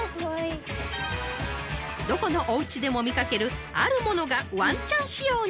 ［どこのおうちでも見掛けるあるものがワンちゃん仕様に］